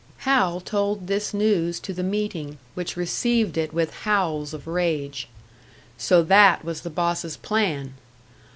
Hal told this news to the meeting, which received it with howls of rage. So that was the bosses' plan!